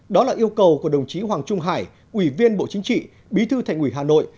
đó là yêu cầu của đồng chí hoàng trung hải ủy viên bộ chính trị bí thư thành ủy hà nội